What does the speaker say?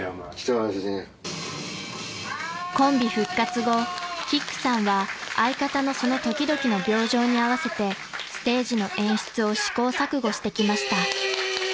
［コンビ復活後キックさんは相方のその時々の病状に合わせてステージの演出を試行錯誤してきました］